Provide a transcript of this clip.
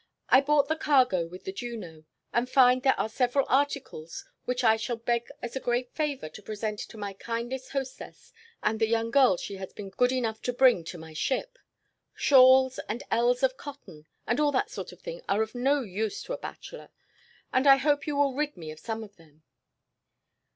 I bought the cargo with the Juno, and find there are several articles which I shall beg as a great favor to present to my kindest hostesses and the young girls she has been good enough to bring to my ship. Shawls and ells of cotton and all that sort of thing are of no use to a bachelor, and I hope you will rid me of some of them."